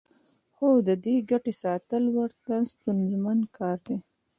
خو د دې ګټې ساتل ورته ستونزمن کار دی